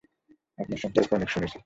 আপনার সম্পর্কে অনেক শুনেছি।